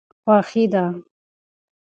خوښي ده.